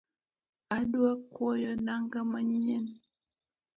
Adwa kwoyo nanga manyien